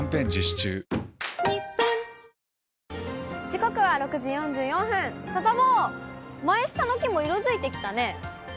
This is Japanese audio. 時刻は６時４４分、サタボー、マイスタの木も色づいてきたね。